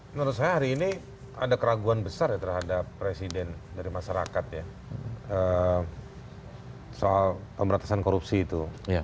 menurut saya hari ini ada keraguan besar ya terhadap presiden dari masyarakat ya soal pemberantasan korupsi itu